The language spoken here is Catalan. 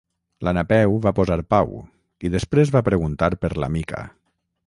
La Napeu va posar pau i després va preguntar per la Mica.